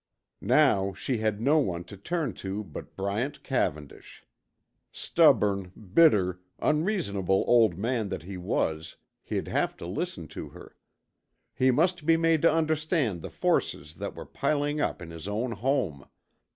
Now she had no one to turn to but Bryant Cavendish. Stubborn, bitter, unreasonable old man that he was, he'd have to listen to her. He must be made to understand the forces that were piling up in his own home.